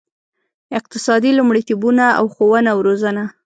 اقتصادي لومړیتوبونه او ښوونه او روزنه.